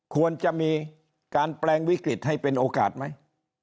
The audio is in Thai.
ควรจะมีการแปลงวิกฤตให้เป็นโอกาสไหม